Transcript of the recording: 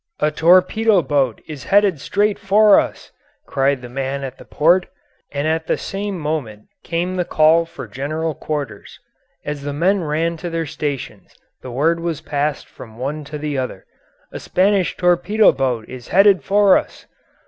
"A torpedo boat is headed straight for us," cried the man at the port, and at the same moment came the call for general quarters. As the men ran to their stations the word was passed from one to the other, "A Spanish torpedo boat is headed for us."